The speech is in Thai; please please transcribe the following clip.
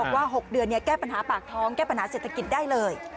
บอกว่า๖เดือนเนี่ยแก้ปัญหาปากท้องแก้ปัญหาเศรษฐกิจได้เลย